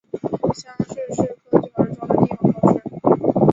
乡试是科举考试中的地方考试。